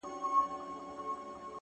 چوپ پاته كيږو نور زموږ خبره نه اوري څوك!